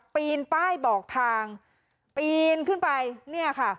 ปีนป้ายบอกทางปีนขึ้นไปเนี่ยค่ะ